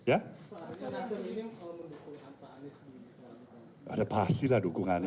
ada pastilah dukungan